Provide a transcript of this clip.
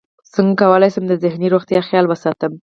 څنګه کولی شم د ذهني روغتیا خیال وساتم